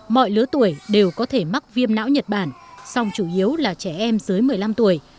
mọi lứa tuổi đều có thể mắc viêm não nhật bản song chủ yếu là trẻ em dưới một mươi năm tuổi